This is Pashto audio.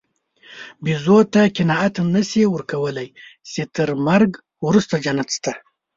بیزو ته قناعت نهشې ورکولی، چې تر مرګ وروسته جنت شته.